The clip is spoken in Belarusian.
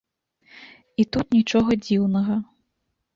І тут нічога дзіўнага.